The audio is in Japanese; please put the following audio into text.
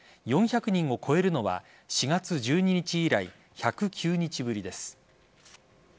４００人を超えるのは４月１２日以来１０９日ぶりです。